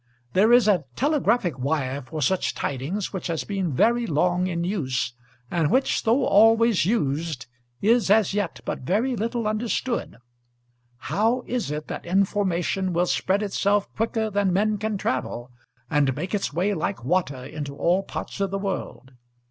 There is a telegraphic wire for such tidings which has been very long in use, and which, though always used, is as yet but very little understood. How is it that information will spread itself quicker than men can travel, and make its way like water into all parts of the world?